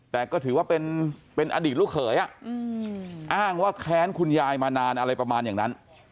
แต่ก็ถือว่าเป็นอดีตลูกเขยอ้างว่าแค้นคุณยายมานานอะไรประมาณอย่างนั้น